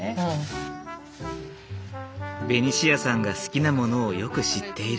ベニシアさんが好きなものをよく知っている。